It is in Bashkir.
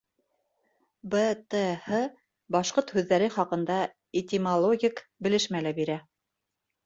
БТҺ башҡорт һүҙҙәре хаҡында этимологик белешмә лә бирә.